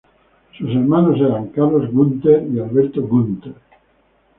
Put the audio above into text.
Sus hermanos eran Carlos Gunter y Alberto Gunter.